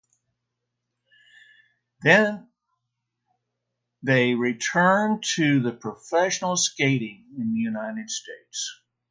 They then returned to professional skating in the United States.